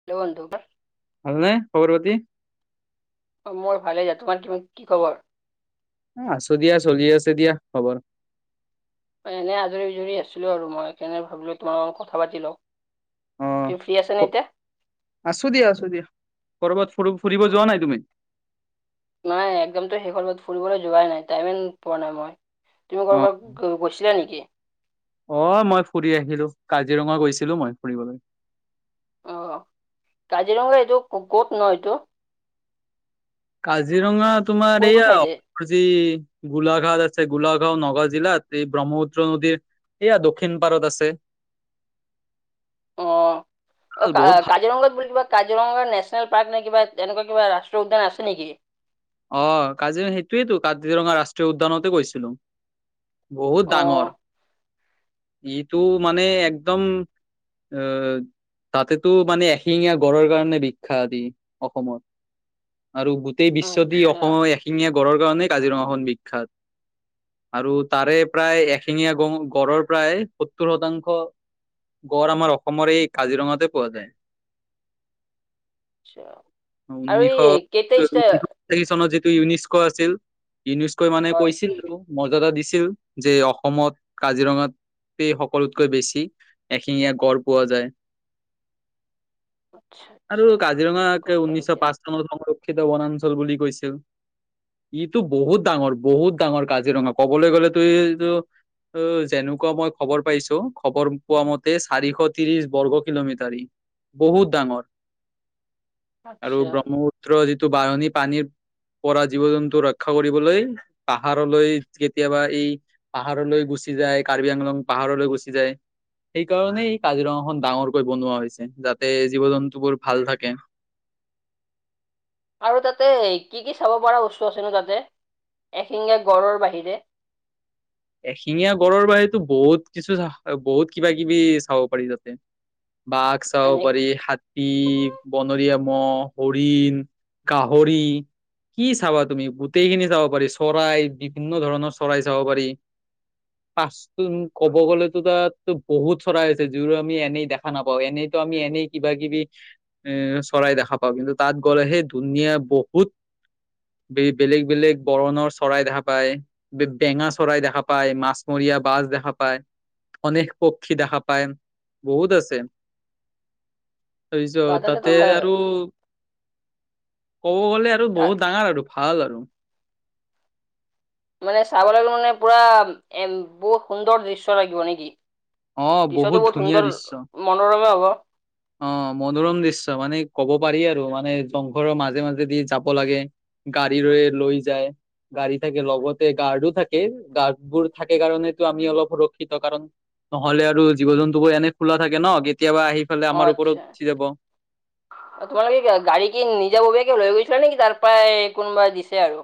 [unintelligible] ভাল নে খবৰ পাতি? অ, মই ভালে [unintelligible] তোমাৰ [unintelligible] কি খবৰ? অ, আছো দিয়া চলি আছে দিয়া খবৰ। এনেই আজৰি আজৰি আছিলোঁ আৰু মই, সেইকাৰণে ভাবিলোঁ তোমাৰ লগত কথা পাতি লওঁ। অ। তু ফ্ৰী আছা ক নে এতিয়া? আছো দিয়া আছো দিয়া। ক'ৰবাত ফো ফুৰিব যোৱা নাই তুমি? নাই একজামতো শেষ হোৱাৰ [unintelligible] ফুৰিবলৈ যোৱাই নাই টাইমে পোৱা নাই মই। তুমি অ কৰ'বাত গ গৈছিলা নেকি? অ, মই ফুৰি আহিলো। কাজিৰঙা গৈছিলো মই ফুৰিবলৈ। অ, অ, কাজিৰঙা এইটো ক'ত ন এইটো? কাজিৰঙা তোমাৰ কোনটো চাইডে এইয়া যি গোলাঘাট আছে গোলাঘাট, নগাঁও জিলাত। এই ব্ৰহ্মপুত্ৰ নদীৰ এইয়া দক্ষিণ পাৰত আছে। অ। অ, ভাল কা বহুত ভাল কাজিৰঙাত বুলি কিবা কাজিৰঙা নেশ্যনেল পাৰ্ক না কিবা এনেকুৱা কিবা ৰাষ্টীয় উদ্যান আছে নেকি? অ কাজিৰঙা, সেইটোয়েতো কাজিৰঙা ৰাষ্ট্ৰীয় উদ্যানতে গৈছিলো। বহুত অ ডাঙৰ। ইটো মানে একদম অ তাতেতো মানে এশিঙীয়া গড়ৰ কাৰণে বিখ্যাত ই অসমত। আৰু গোটেই বিশ্ব দি আচ্ছা অসমৰ এশিঙীয়া গড়ৰ কাৰণেই কাজিৰঙাখন বিখ্যাত। আৰু তাৰে প্ৰায় এশিঙীয়া গ গড়ৰ প্ৰায় সত্তৰ শতাংশ, গঁড় আমাৰ অসমৰ এই কাজিৰঙাতে পোৱা যায়। আচ্ছা আৰু উনিশ এই কেইটা ষ্টাৰ [unintelligible] চনত যিটো ইউনিস্ক আছিল। ইউনিস্কই মানে হয় কৈছিল [unintelligible] মৰ্যদা দিছিল যে, অসমত কাজিৰঙাত সকলোতকৈ বেছি এশিঙীয়া গড় পোৱা যায়। আচ্ছা আৰু আচ্ছা কাজিৰঙাক গম পালো ঊনৈশ দিয়া পাঁচ নত সংৰক্ষিত বনাঞ্চল বুলি কৈছিল। ইটো বহুত ডাঙৰ, বহুত ডাঙৰ কাজিৰঙা। কবলৈ গ'লে তু অ, যেনেকুৱা মই খবৰ পাইছো, খবৰ পোৱা মতে চাৰিশ ত্ৰিশ বৰ্গ কিলোমিটাৰ ই। বহুত ডাঙৰ আৰু আচ্ছা ব্ৰহ্মপুত্ৰ যিটো বাহনী পানীৰ পৰা জীৱ জন্তু ৰক্ষা কৰিবলৈ পাহাৰলৈ কেতিয়াবা এই পাহাৰলৈ গুচি যায়, কাৰ্বি আংলং পাহাৰলৈ গুচি যায়। সেই কাৰণেই কাজিৰঙাখন ডাঙৰকৈ বনোৱা হৈছে, যাতে জীৱ জন্তু বোৰ ভাল থাকে। আৰু তাতে কি কি চাব পৰা বস্তু আছেনো তাতে, এশিঙিয়া গড়ৰ বাহিৰে? এশিঙীয়া গড়ৰ বাহিৰেটো বহুত কিছু বহুত কিবা কিবি চাব পাৰি তাতে। বাঘ চাব এনে পাৰি হা তী বনৰীয়া মহ, হৰিণ, গাহৰি কি চাবা তুমি গোটেই খিনি চাব পাৰি চৰাই বিভিন্ন ধৰণৰ চৰাই চাব পাৰি। পাচটো ক'ব গ'লেতো তাতো বহুত চৰাই হৈছে, যিবোৰ আমি এনেই দেখা নাপাওঁ এনেইতো আমি এনেই কিবা কিবি এ চৰাই দেখা পাওঁ, কিন্তু তাত গ'লেহে ধুনীয়া বহুত বেলেগ বেলেগ বৰণৰ চৰাই দেখা পায়, বেঙা চৰাই দেখা পায় মাছমৰীয়া বাছ দেখা পায়। অনেক পক্ষী দেখা পায়, বহুত আছে। থৈ দিছো, বা তাতেতো তাতে আহ, আৰু ক'ব গ'লে আৰু তা- বহুত ডাঙৰ আৰু ভাল আৰু। মানে চাব গলে মানে পুৰা এ বহুত সুন্দৰ দৃশ্য লাগিব নেকি। অ দৃশ্যটো বহুত ধুনীয়া সুন্দৰ মনোৰমা হব। অঁ মনোৰম দৃশ্য মানে কব পাৰি আৰু মানে জংঘলৰ মাজে মাজেদি যাব লাগে। গাড়ী ৰৈ লৈ যায়। গাড়ী থাকে লগতে গাৰ্ডো থাকে, গাৰ্ডবোৰ থাকে কাৰণেতো আমি অলপ সুৰক্ষিত কাৰণ নহলে আৰু জীৱ জন্তুবোৰ এনে খোলা থাকে ন, কেতিয়াবা আহি পেলাই আমাৰ অঁ ওপৰত আচ্ছা। উঠি যাব তোমালোকে কি গাড়ী কি নিজাববীয়াকে লৈ গৈছিলা নেকি, তাৰ পৰাই কোনোবাই দিছে আৰু।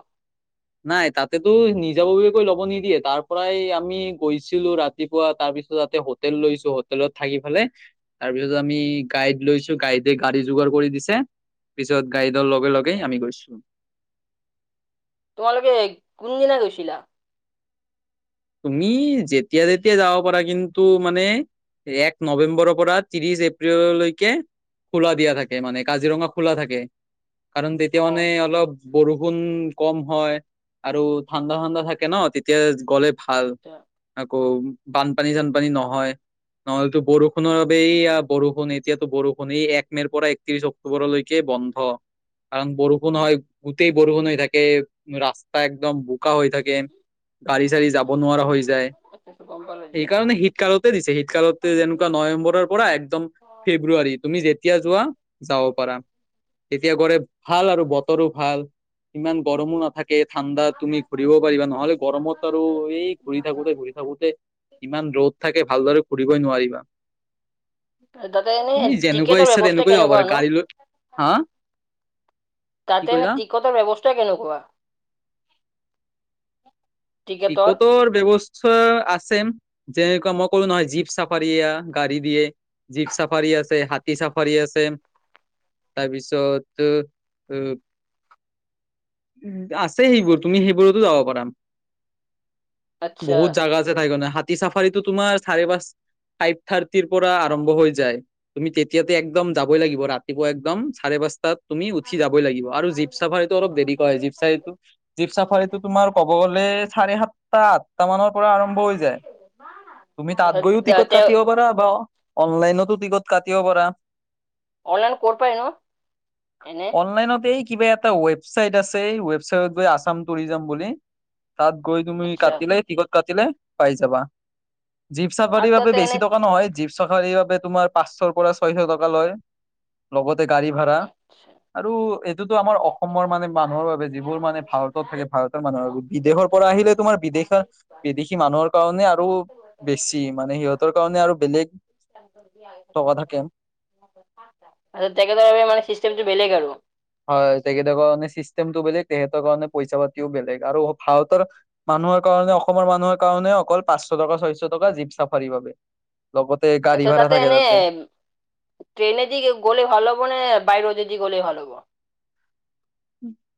নাই তাতেতো নিজাববীয়াকৈ ল'ব নিদিয়ে, তাৰ পৰাই আমি গৈছিলো ৰাতিপুৱা তাৰপিছত তাতে হোটেল লৈছো হোটেলত থাকি ফেলাই তাৰপিছত আমি গাইড লৈছো, গাইডে গাড়ী যোগাৰ কৰি দিছে। পিছত গাইডৰ লগে আচ্ছা, লগেই আমি গৈছো। তোমালোকে কোনদিনা গৈছিলা? তুমি যেতিয়া যেতিয়াই যাব পাৰা কিন্তু মানে এক নৱেম্বৰৰ পৰা ত্ৰিশ এপ্ৰিললৈকে খোলা দিয়া থাকে মানে কাজিৰঙা খোলা থাকে, কাৰণ তেতিয়া অ মানে অলপ বৰষুণ কম হয়, আৰু ঠাণ্ডা ঠাণ্ডা থাকে ন তেতিয়া গ'লে। ভাল আচ্ছা আকৌ বানপানী চানপানী নহয়। নহলেতো বৰষুণৰ বাবে এইয়া বৰষুণ এতিয়াটো বৰষুণ এই এক মেৰ পৰাই ত্ৰিশ অক্টোবৰলৈকে বন্ধ। কাৰণ বৰষুণ হয়, গোটেই বৰষুণ হৈ থাকে ৰাস্তা একদম বোকা হৈ থাকে। গাড়ী চাড়ি যাব নোৱাৰা হৈ যায়। আচ্ছা, গম পালো দিয়া সেইকাৰণে শীতকালতে দিছে, শীতকালতে যেনেকুৱা নৱেম্বৰৰ পৰা একদম ফেব্ৰুুৱাৰী তুমি যেতিয়া যোৱা যাব পাৰা তেতিয়া, গলে ভাল আৰু বতৰো ভাল ইমান গৰমো নাথাকে। তে ঠাণ্ডা তুমি ঘূৰিব পাৰিবা, নহ'লে গৰমত আৰু এই ঘূৰি থাকোতে ঘূৰি থাকোঁ তে ইমান ৰ'দ থাকে ভালদৰে ফুৰিবই নোৱাৰিবা। তাতে এনে তুমি যেনেকুৱা টিকেটৰ ইচ্ছা ব্যৱস্থা তেনেকুৱা যাব পাৰা, কেনেকুৱানো গাড়ী লৈ হা কি তাতে এনে কৈলা টিকটৰ ব্যৱস্থা কেনেকুৱা? টিকেটৰ টিকটৰ ব্যৱস [inaudible] ব্যৱস্থা আছে। যেনেকুৱা মই কলো নহয় জীপ চাফাৰী গাড়ী দিয়ে। [inaudible] জীপ চাফাৰী আছে, হাতী চাফাৰী আছে। [inaudible] তাৰপিছত অ [inaudible] [unintelligible] আছে সেইবোৰ তুমি সেইবোৰতো যাব পাৰা। আচ্ছা বহুত জাগা আছে ঠাইকনে হাতী চাফাৰীটো তোমাৰ চাৰে পাঁচ [inaudible] ফাইভ থাৰ্টিৰ পৰা আৰম্ভ হৈ যায়। [unintelligible] তুমি তেতিয়াতে একদম যাবই লাগিব ৰাতিপুৱা একদম চাৰে পাঁচ [inaudible] তাত তুমি উঠি যাবই লাগিব আৰু জীপ চাফাৰীটো অলপ দেৰিকৈ হয়। জীপ চাফাৰী, জীপ চাফাৰীটো তোমাৰ [inaudible] ক'ব গলে চাৰে সাত [inaudible] সাতটা, আঠটা মানৰ পৰা আৰম্ভ হৈ যায় তুমি তাত গৈও টিকট তেওঁ কাটিব পাৰা বা [inaudible] অনলাইনতো টিকট কাটিব পাৰা। [inaudible] অনলাইন ক'ৰ পাই ন এনে অনলাইনতেই [inaudible] কিবা এটা ৱেবচাইট আছে। ৱেবচাইটত গৈ আছাম টুৰিজাম বুলি [inaudible] তাত গৈ তুমি আচ্ছা কাটিলে টিকট কাটিলে পাই যাবা। [inaudible] জীপ আৰু চাফাৰীৰ বাবে তাতে এনে বেছি টকা নহয় জীপ চাফাৰীৰ বাবে তোমাৰ পাঁচশৰ পৰা ছয়শ টকা লয়। [inaudible] লগতে গাড়ী ভাড়া আচ্ছা আৰু এইটোতো আমাৰ [unintelligible] অসমৰ মানে মানুহৰ বাবে যিবোৰ মানে ভাৰতত থাকে ভাৰতৰ মানুহৰ বাবে। বিদেশৰ পৰা আহিলে তোমাৰ বিদেশৰ [inaudible] বিদেশী মানুহৰ কাৰণে আৰু বেছি মানে সিহঁতৰ কাৰণে আৰু বেলেগ [inaudible] নাই [unintelligible] টকা থাকে। [unintelligible] [inaudible] আৰু তেখেতৰ বাবে মানে চিষ্টেমটো বেলেগ আৰু। [inaudible] হয়। তেখেতৰ কাৰণে চিষ্টেমটো বেলেগ, তেখেতৰ কাৰণে পইচা পাতিও বেলেগ আৰু ভাৰতৰ [inaudible] মানুহৰ কাৰণে অসমৰ মানুহৰ কাৰণে অকল পাঁচশ টকা, ছয়শ টকা জীপ চাফাৰীৰ বাবে। [inaudible] লগতে গাড়ী ভাড়া থাকে তাতে। [unintelligible] ট্ৰেইনে দি গ'লে ভাল হব নে বাই ৰোডে দি গ'লে ভাল হ'ব? [unintelligible]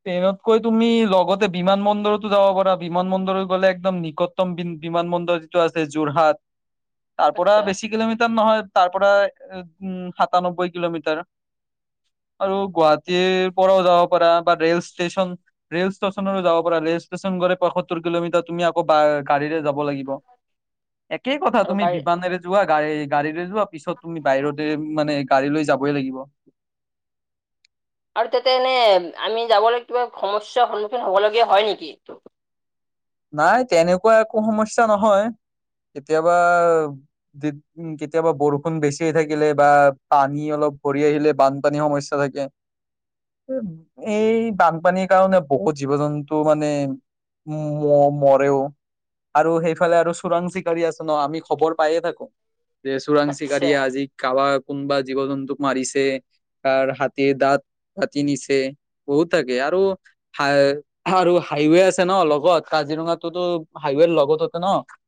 ট্ৰেইনতকৈ তুমি লগতে বিমান বন্দৰতো যাব পাৰা। বিমান বন্দৰত গ'লে একদম নিক [inaudible] [inaudible] বিমান বন্দৰ যিটো আছে যোৰহাট। তাৰ পৰা আচ্ছা বেছি কিলোমিটাৰ নহয়। [inaudible] তাৰ পৰা আ [unintelligible] উম সাতানব্বৈ কিলোমিটাৰ আৰু আচ্ছা গুৱাহাটীৰ [inaudible] পৰাও যাব পাৰা বা ৰেল ষ্টেচন [inaudible] ৰেল ষ্টেচনৰো যাব পাৰা। ৰেল ষ্টেচন গ'লে পয়সত্তৰ কিলোমিটাৰ তুমি আকৌ বা এহ গাড়ীৰে যাব [unintelligible] যাব লাগিব। একেই কথা আৰু তুমি গাড়ী বিমানৰে যোৱা গা [unintelligible] গাড়ীৰে যোৱা। পিছত তুমি বাইৰোডে মানে গাড়ী লৈ যাবই লাগিব। [unintelligible] আৰু তাতে এনে আমি যাবলৈ কিবা সমস্যাৰ সন্মুখীন হ'বলগীয়া হয় নেকি? [unintelligible] নাই তেনেকুৱা একো সমস্যা নহয় কেতিয়াবা [unintelligible] উম কেতিয়াবা বৰষুণ বেছি হৈ থাকিলে বা পানী অলপ ভৰি আহিলে বানপানী সমস্যা থাকে। [inaudible] এই বানপানীৰ কাৰণে বহুত জীৱ-জন্তু মানে [inaudible] মহ মৰেও আৰু সেইফালে আৰু চোৰাং চিকাৰী আছে ন আমি খবৰ পায়ে থাকো। [inaudible] যে চোৰাং আচ্ছা চিকাৰীয়ে আজি কাৰোবাৰ কোনোবা জীৱ-জন্তুক মাৰিছে। [unintelligible] তাৰ হাতীৰ দাঁত কাটি নিছে, বহুত থাকে আৰু [inaudible] হাই আৰু হাইৱে আছে ন অলপ [unintelligible] লগত কাজিৰঙাতোটো হাইৱেৰ লগত আছে ন। [unintelligible]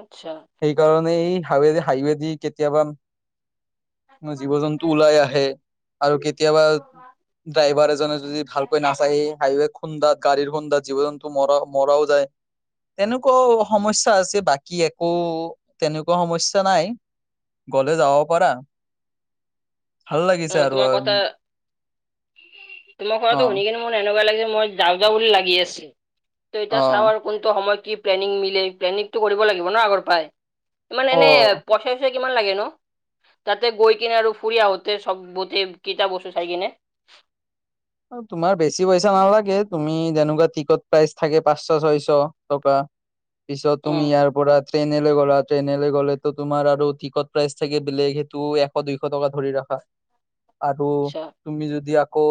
আচ্ছা! [inaudible] সেইকাৰণে এই হাইৱে-হাইৱে দি কেতিয়াবা [inaudible] জীৱ-জন্তু ওলাই আহে, আৰু কেতিয়াবা ড্ৰাইভাৰ এজনে, যদি ভালকৈ নাচায়, এই হাইৱে খুন্দাত গাড়ীৰ, খুন্দাত জীৱ-জন্তু মৰা, মৰাও যায়। তেনেকুৱাও সমস্যা আছে, বাকী একো তেনেকুৱা সমস্যা নাই। গ'লে যাব, পাৰা। ভাল লাগিছে অ, আৰু তোমাৰ কথা, তোমাৰ অ কথাটো শুনি কিনে মোৰ এনেকুৱা লাগিছে, মই যাওঁ, যাওঁ, বুলি লাগি আছিল, ত, অ এতিয়া চাওঁ আৰু। কোনটো সময়ত কি প্লেনিং মিলে, প্লেনিংটো কৰিব লাগিব ন, আগৰ পৰাই, মানে অ এনে পই চা, কিমান লাগে নো, তাতে গৈ কিনে আৰু ফুৰি আহোতে চব, গোটেই কেইটা বস্তু চাই কিনে। তোমাৰ বেছি পইচা নালাগে, তুমি যেনেকুৱা টিকট প্ৰাইচ থাকে, পাঁচশ, ছয়শ, টকা। পিছত তুমি উম ইয়াৰ, পৰা ট্ৰেইনেলে গ'লা, ট্ৰেইনেৰে গ'লেতো, তোমাৰ আৰু টিকট প্ৰাইচ থাকে, বেলেগ সেইটো এ দুইশ টকা ধৰি ৰাখা, আৰু আচ্ছা তুমি যদি আকৌ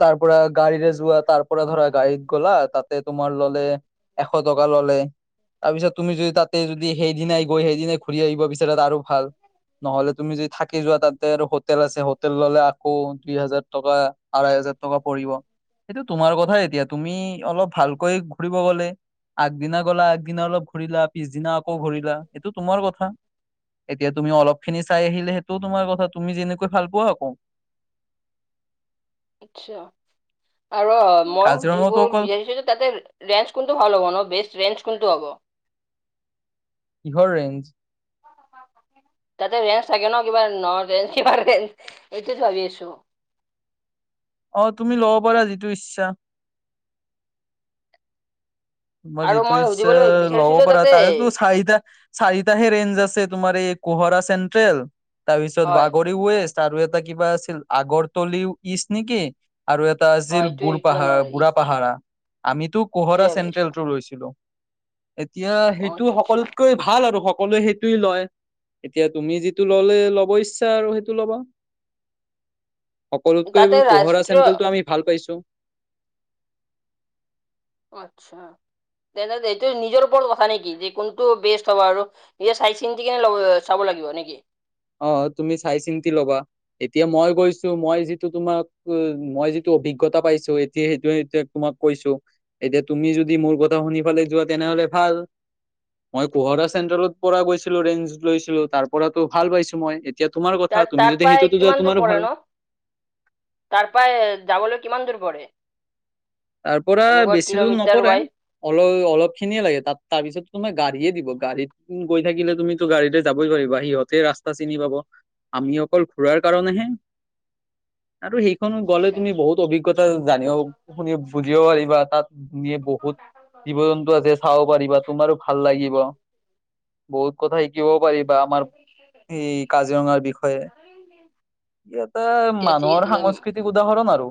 তাৰ পৰা গাড়ীৰে যোৱা, তাৰ পৰা ধৰা গাড়ীত গ'লা তাতে তোমাৰ ল'লে এশ টকা ল'লে। তাৰপিছত তুমি যদি তাতে যদি, সেইদিনাই গৈ সেইদিনাই ঘূৰি আহিব বিচাৰা ত, আৰু ভাল। নহ'লে তুমি যদি থাকি যোৱা তাতে আৰু হোটেল আছে, হোটেল ল'লে আকৌ দুই হাজাৰ টকা আৰহৈ হাজাৰ টকা পৰিব, সেইটো তোমাৰ কথা এতিয়া তুমি অলপ ভাল কৈ ঘূৰিব গ'লে, আগদিনা গ'লা আগদিনা অলপ ঘূৰিলা। পিছদিনা আকৌ ঘূৰিলা, সেইটো তোমাৰ কথা। এতিয়া তুমি অলপ খিনি চাই আহিলে, সেইটোও তোমাৰ কথা তুমি যেনেকৈ ভাল পোৱা আকৌ। আচ্ছা আৰু আহ, মই সুধিব কাজিৰঙাতো অকল বিচাৰিছো যে তাতে ৰেঞ্জ কোনটো ভাল হ'ব, ন, বেষ্ট ৰেঞ্জ কোনটো হ'ব? কিহৰ ৰেঞ্জ? তাতে ৰেঞ্জ থাকে ন, কিবা ৰেঞ্জ কিবা, ৰেঞ্জ এইটো ভাবি আছো। অ, তুমি ল'ব পাৰা যিটো ইচ্ছা। তোমাৰ আৰু যিটো মই ইচ্ছা সুধিবলৈ বিচাৰিছো ল'ব যে পৰা, তাতে তাৰে তোৰ চাৰিটা চাৰিটাহে ৰেঞ্জ আছে, তোমাৰ এই কহৰা চেন্ট্ৰেল, তাৰপিছত হয় বাগ ৱেষ্ট আৰু এটা কিবা আছিল, আগৰতলি ইষ্ট, নেকি? আৰু এটা আছিল, হয় এইটোৱে বুঢ় কিবা ন পাহাৰা, বুঢ়া এইটোৱে পাহাৰা, আমিতো কহৰা ভাবি আছো লৈছিলো, এতিয়া সেইটো আচ্ছা সকলোতকৈ ভাল আৰু সকলোৱে সেইটোৱেই লয়। এতিয়া তুমি যিটো ল'লে ল'ব ইচ্ছা আৰু সেইটো ল'বা। সকলোতকৈ তাতে কোহৰা ৰাষ্ট্ৰীয় চেন্ট্ৰেলটো, আমি ভাল পাইছো। অ, আচ্ছা তেন্তে, এইটো নিজৰ ওপৰত কথা নেকি, যে কোনটো বেষ্ট হ'ব আৰু। নিজে চাই চিন্তিকে ল'ব, চাব লাগিব নেকি? অ, তুমি চাই চিন্তি ল'বা। এতিয়া মই গৈছো, মই যিটো তোমাক উ, মই যিটো অভিজ্ঞতা পাইছো, এতিয়া সেইটো তোমাক কৈছো, এতিয়া তুমি যদি মোৰ কথা শুনি ফালে যোৱা তেনেহ'লে ভাল। মই কোহৰা চেন্ট্ৰেলৰ পৰা গৈছিলো, ৰেঞ্জ লৈছিলো তাৰ পৰাতো ভাল পাইছো মই। এতিয়া তোমাৰ তাৰ কথা, তুমি তাৰ যদি পৰাই সেইটোতো যোৱা কিমান দূৰ তোমাৰো পৰে ন ভাল। তাৰ পৰাই যাবলৈ, কিমান দূৰ পৰে? তাৰ পৰা এনেকুৱা বেছি দূৰ কিলোমিটাৰ নপৰে। ৱাইজ অলপ, অলপ খিনিয়ে লাগে, তাত তাৰপিছত ত, তোমাৰ গাড়ীয়ে দিব, গাড়ীত। গৈ থাকিলে তুমিতো, গাড়ীতে যাবই পাৰিবা সিহঁতে ৰাস্তা চিনি পাব। আমি অকল ঘূৰাৰ কাৰণেহে। আৰু সেইখনো গলে তুমি বহুত অভিজ্ঞতা জানিব শুনি। বুজিব পাৰিবা তাত বহুত জীৱ জন্তু আছে চাব পাৰিবা তোমাৰো ভাল লাগিব। বহুত কথা শিকিব পাৰিবা আমাৰ এই কাজিৰঙাৰ বিষয়ে। ইয়াতে এতিয়া ঠিক মানুহৰ আছে যাম সাংস্কৃতিক উদাহৰণ আৰু।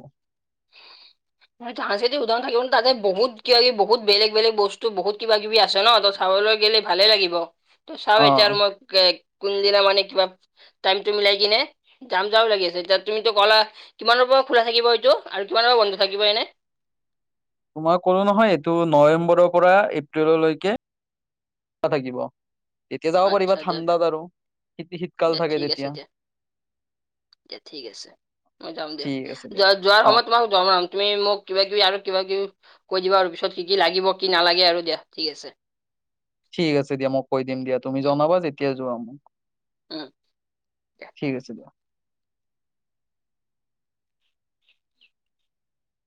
[inaudible] সাংস্কৃতিক উদাহৰণ থাকিব তাতে বহুত কিবা কিবি বহুত বেলেগ বেলেগ বস্তু বহুত কিবা কিবি আছে ন ত। চাবলৈ গ'লে ভালে লাগিব ত অ চাও এতিয়া আৰু মই এ কোনদিনা মানে কিবা। টাইমটো মিলাই কিনে যাম যাও লাগি আছে এতিয়া তুমিতো গ'লা কিমানৰ পৰা খোলা থাকিব এইটো। আৰু কিমানৰ পৰা বন্ধ থাকিব এনে। মই কলো নহয় এইটো নৱেম্বৰৰ পৰা এপ্ৰিললৈকে। ত থাকিব। তেতিয়া যাব পাৰিবা আচ্ছা দিয়া ঠাণ্ডাত আৰু শীত শীতকাল দিয়া থাকে ঠিক আছে তেতিয়া। দিয়া দিয়া ঠিক আছে মই যাম দিয়া ঠিক আছে দিয়া যোৱা। যোৱাৰ অ সময়ত তোমাক জনাম তুমি মোক কিবা কিবি আৰু কিবা কিবি। কৈ দিবা আৰু পিছত কি কি লাগিব কি নালাগে আৰু দিয়া ঠিক আছে। ঠিক আছে দিয়া মই কৈ দিম দিয়া তুমি উম জনাবা যেতিয়া যোৱা মোক। উম দিয়া ঠিক আছে।